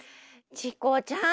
チコちゃん！